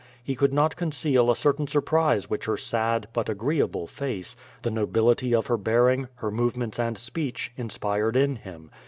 He could not conceal a cer tain surprise which her sad, but agreeable face, the nobility of her bearing, her movements and speech, inspired in him.